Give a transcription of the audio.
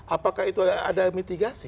apakah itu ada mitigasi